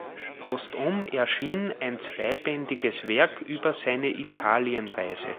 Postum erschien ein zweibändiges Werk über seine Italienreise.